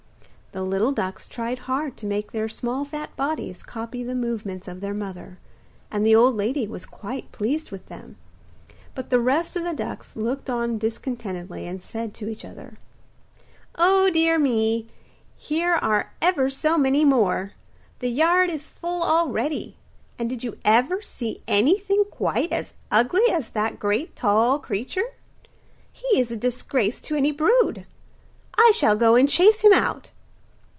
The little ducks tried hard to make their small fat bodies copy the movements of their mother, and the old lady was quite pleased with them; but the rest of the ducks looked on discontentedly, and said to each other: 'Oh, dear me, here are ever so many more! The yard is full already; and did you ever see anything quite as ugly as that great tall creature? He is a disgrace to any brood. I shall go and chase him out!